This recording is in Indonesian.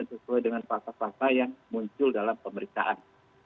sesuai dengan pasal pasal yang muncul dalam pemeriksaan